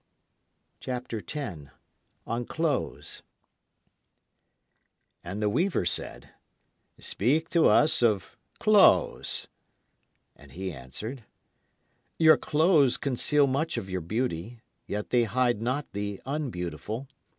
And the weaver said, Speak to us of Clothes. And he answered: Your clothes conceal much of your beauty, yet they hide not the unbeautiful.